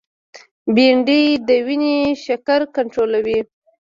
بېنډۍ د وینې شکر کنټرولوي